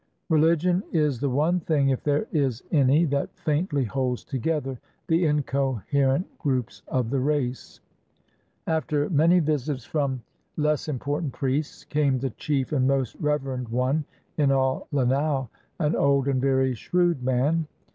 Rehgion is the one thing if there is any, that faintly holds together the incoherent groups of the race. After many visits from 550 PREPARING OUR MOROS FOR GOVERNMENT less important priests, came the chief and most reverend one in all Lanao, an old and very shrewd man.